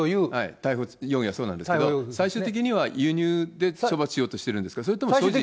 逮捕容疑はそうなんですけど、最終的には輸入で処罰しようとしてるんです、それとも所持。